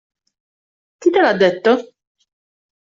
Chi te l'ha detto?